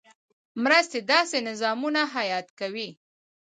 مرستې داسې نظامونه حیات کوي.